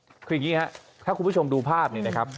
คืออย่างนี้ครับถ้าคุณผู้ชมดูภาพนี่นะครับ